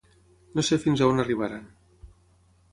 No sé fins on arribaran.